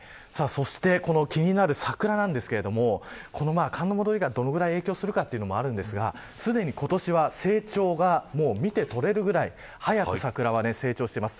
気になる桜ですが寒の戻りがどれぐらい影響するかもありますがすでに今年は成長が見て取れるくらい早く桜は成長しています。